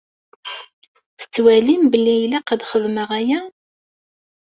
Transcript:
Tettwalim belli ilaq ad xedmeɣ aya?